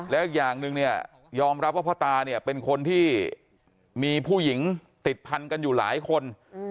แล้วอีกอย่างหนึ่งเนี่ยยอมรับว่าพ่อตาเนี่ยเป็นคนที่มีผู้หญิงติดพันกันอยู่หลายคน